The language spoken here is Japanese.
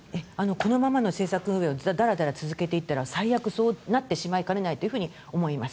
このままの政策運営をだらだら続けていったら最悪そうなってしまいかねないと思います。